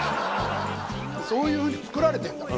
そういう風に作られてるんだから。